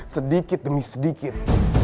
sedikit demi sedikit